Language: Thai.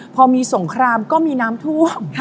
พอมีสงครามก็มีน้ำท่วม